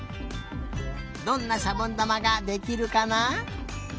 どんなしゃぼんだまができるかな？